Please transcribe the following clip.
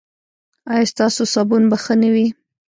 ایا ستاسو صابون به ښه نه وي؟